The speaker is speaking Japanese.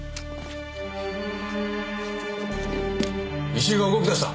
石井が動き出した。